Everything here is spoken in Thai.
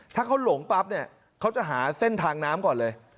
ถ้าเขาหลงปั๊บเนี่ยเขาจะหาเส้นทางน้ำก่อนเลย